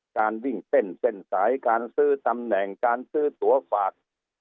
การวิ่งเต้นเส้นสายการซื้อตำแหน่งการซื้อตัวฝาก